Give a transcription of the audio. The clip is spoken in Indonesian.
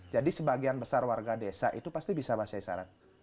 jadi sebagian besar warga desa itu pasti bisa bahasa isyarat